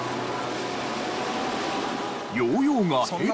ヨーヨーがヘリに命中。